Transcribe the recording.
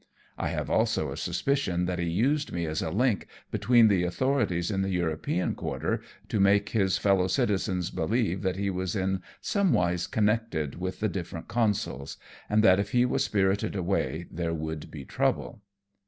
I have also a suspicion that he used me as a link between the authorities in the European quarter, to make his fellow citizens believe that he was in somewise connected with the difierent consuls, and that if he was spirited away there would be trouble."